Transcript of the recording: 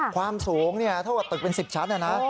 ความสูงเท่ากับตึกเป็น๑๐ชั้นนะนะ